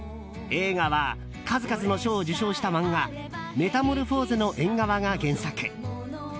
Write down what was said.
映画は数々の賞を受賞した漫画「メタモルフォーゼの縁側」が原作。